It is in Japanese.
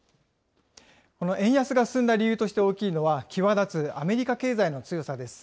この円安が進んだ理由として大きいのは、際立つアメリカ経済の強さです。